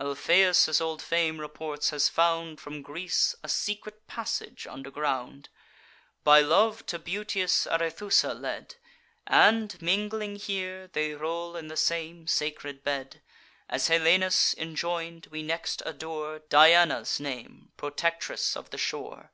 Alpheus, as old fame reports, has found From Greece a secret passage under ground, By love to beauteous Arethusa led; And, mingling here, they roll in the same sacred bed. As Helenus enjoin'd, we next adore Diana's name, protectress of the shore.